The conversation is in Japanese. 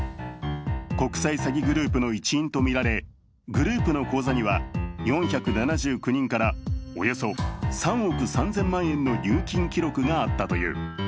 国際詐欺グループの一員とみられグループの口座には４７９人からおよそ３億３０００万円の入金記録があったという。